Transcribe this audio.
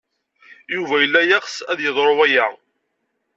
Yuba yella yeɣs ad yeḍru waya.